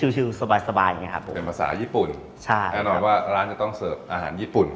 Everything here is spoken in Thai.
ชิลสบายอย่างนี้ครับผมเหมือนภาษาญี่ปุ่นใช่ครับแอร์นอนว่าร้านจะต้องเสิร์ฟอาหารญี่ปุ่น